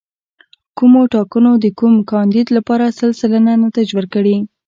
کومو ټاکنو د کوم کاندید لپاره سل سلنه نتایج ورکړي.